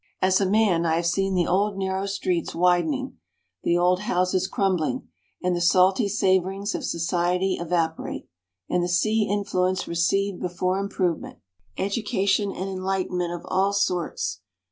As a man, I have seen the old narrow streets widening the old houses crumbling and the salty savouring of society evaporate, and the sea influence recede before improvement education and enlightenment of all sorts.